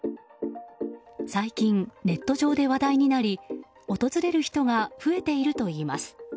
最近、ネット上で話題になり訪れる人が増えているといいます。